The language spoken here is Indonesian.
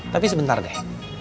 tapi sebentar deh